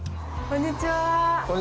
こんにちは。